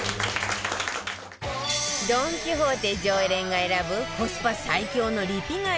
ドン・キホーテ常連が選ぶコスパ最強のリピ買い